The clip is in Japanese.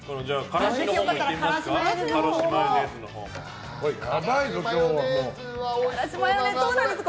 からしマヨネーズのほうもいってみますか。